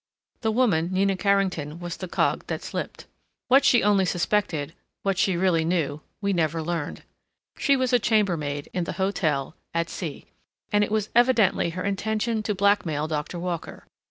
The woman, Nina Carrington, was the cog that slipped. What she only suspected, what she really knew, we never learned. She was a chambermaid in the hotel at C—, and it was evidently her intention to blackmail Doctor Walker.